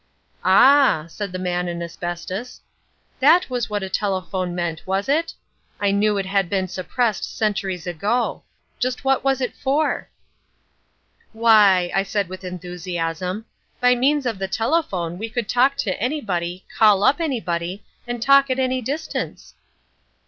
"Ah," said the Man in Asbestos, "that was what a telephone meant, was it? I knew that it had been suppressed centuries ago. Just what was it for?" "Why," I said with enthusiasm, "by means of the telephone we could talk to anybody, call up anybody, and talk at any distance."